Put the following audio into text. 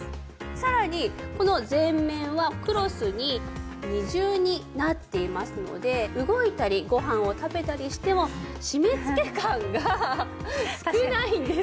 さらにこの前面はクロスに二重になっていますので動いたりご飯を食べたりしても締めつけ感が少ないんです。